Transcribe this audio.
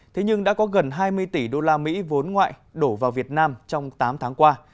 thế nhưng đã có gần hai mươi tỷ đô la mỹ vốn ngoại đổ vào việt nam trong tám tháng qua